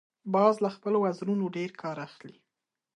باز له خپلو وزرونو ډیر کار اخلي